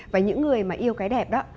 và những người mà yêu cái đẹp đó